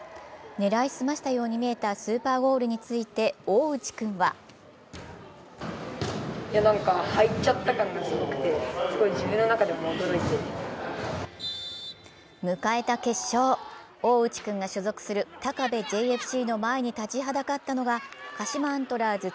狙いすましたように見えたスーパーゴールについて大内君は。迎えた決勝、大内君が所属する高部ＪＦＣの前に立ちはだかったのが鹿島アントラーズ